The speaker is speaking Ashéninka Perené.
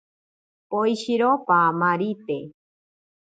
Poeshiro paamarite.